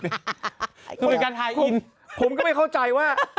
ส่วนการไฮอินผมก็ไม่เข้าใจว่า